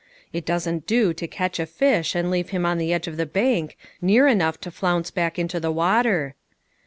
It doesn't do to catch a fish and leave him on the edge of the bank near enough to flounce back into the water.